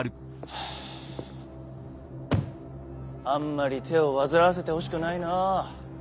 あんまり手を煩わせてほしくないなぁ。